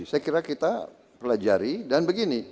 saya kira kita pelajari dan begini